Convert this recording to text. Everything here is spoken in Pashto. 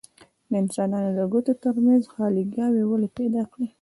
د انسانانو د ګوتو ترمنځ خاليګاوې ولې پیدا کړي؟